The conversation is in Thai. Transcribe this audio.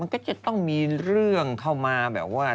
ก็จะต้องมีเรื่องเข้ามาแบบว่า